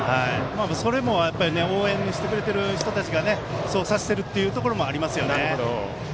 それも応援してくれている人たちがそうさせているところもありますよね。